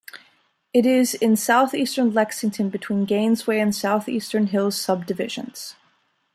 It is in southeastern Lexington between Gainesway and Southeastern Hills Subdivisions.